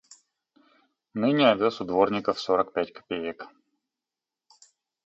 Ныне овес у дворников сорок пять копеек.